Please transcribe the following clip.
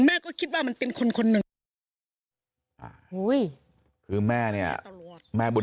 แม่ก็คิดว่ามันเป็นคนหนึ่งอุ้ยคือแม่เนี่ยแม่บุญ